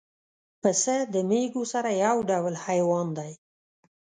پسه د مېږو سره یو ډول حیوان دی.